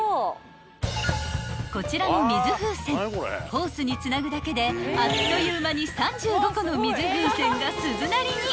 ［こちらの水風船ホースにつなぐだけであっという間に３５個の水風船が鈴なりに］